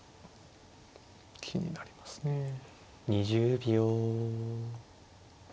２０秒。